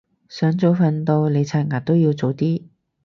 想早瞓到你刷牙都要早啲